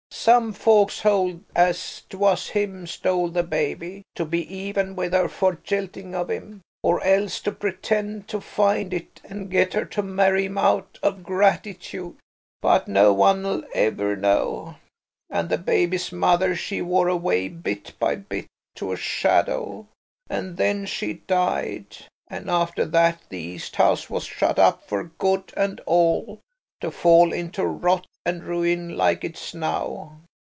Some folks hold as 'twas him stole the baby, to be even with her for jilting of him, or else to pretend to find it and get her to marry him out of gratitude. But no one'll ever know. And the baby's mother, she wore away bit by bit, to a shadow, and then she died, and after that the East House was shut up for good and all, to fall into rot and ruin like it is now.